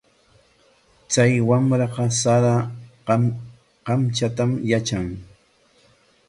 Chay wamraqa sara kamchatam yatran.